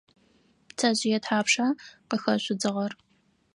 Пцэжъые тхьапша къыхэжъу дзыгъэр?